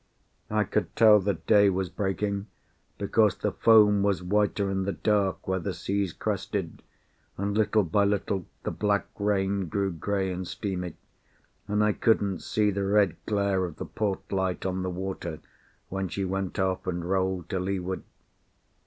I could tell that day was breaking, because the foam was whiter in the dark where the seas crested, and little by little the black rain grew grey and steamy, and I couldn't see the red glare of the port light on the water when she went off and rolled to leeward.